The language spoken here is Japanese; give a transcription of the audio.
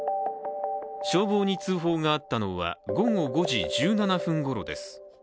消防に通報があったのは午後５時１７分ごろです。